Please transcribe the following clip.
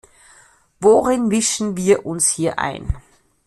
Worin mischen wir uns hier ein?